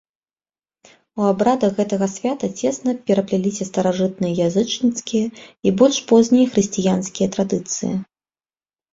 У абрадах гэтага свята цесна перапляліся старажытныя язычніцкія і больш познія хрысціянскія традыцыі.